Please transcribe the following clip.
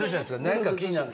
何か気になる。